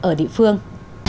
ở địa phương